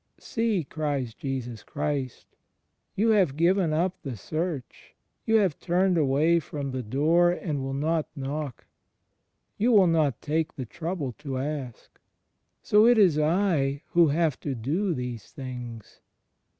"See," cries Jesus Christ, "you have given up the search; you have turned away from the door and will not knock. You will not take the trouble to ask. So it is I who have to do these things.